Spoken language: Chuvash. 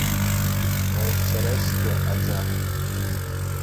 Вӑл чӗрӗ-ҫке, ача.